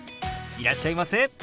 いらっしゃいませ。